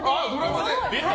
出た！